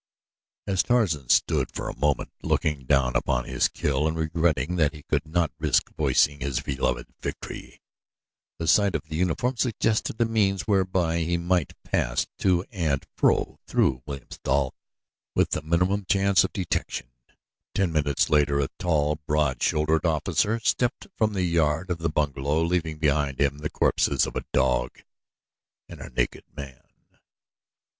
As Tarzan stood for a moment looking down upon his kill and regretting that he could not risk voicing his beloved victory cry, the sight of the uniform suggested a means whereby he might pass to and fro through Wilhelmstal with the minimum chance of detection. Ten minutes later a tall, broad shouldered officer stepped from the yard of the bungalow leaving behind him the corpses of a dog and a naked man.